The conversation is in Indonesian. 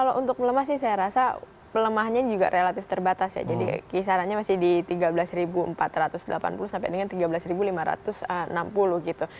kalau untuk melemah sih saya rasa pelemahannya juga relatif terbatas ya jadi kisarannya masih di tiga belas empat ratus delapan puluh sampai dengan tiga belas lima ratus enam puluh gitu